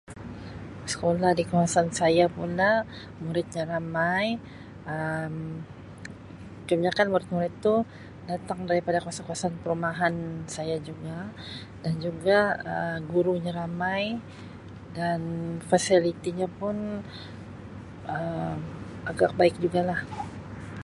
Sekolah di kawasan saya pula muridnya ramai Um kebanyakkan murid-murid tu datang daripada kawasan-kawasan perumahan saya juga dan juga Um gurunya ramai dan fasilitinya pun Um agak baik juga lah.